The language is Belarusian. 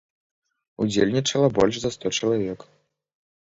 Удзельнічала больш за сто чалавек.